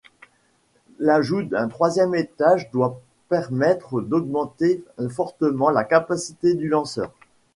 L'ajout d'un troisième étage doit permettre d'augmenter fortement la capacité du lanceur.